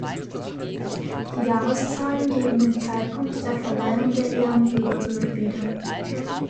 Die Jahreszahlen geben den Zeitpunkt der Verleihung der Ehrenbürgerwürde wieder.